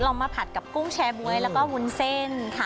เรามาผัดกับกุ้งแชร์บ๊วยแล้วก็วุ้นเส้นค่ะ